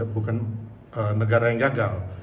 bukan negara yang gagal